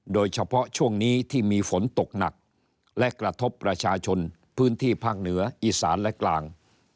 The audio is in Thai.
โดยเฉพาะช่วงนี้ที่มีฝนตกหนักและกระทบประชาชนพื้นที่ภาคเหนืออีสานและกลาง